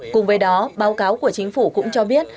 cùng với đó báo cáo của chính phủ cũng cho biết